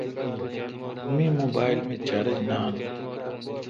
می موبایل مے چارج نان۔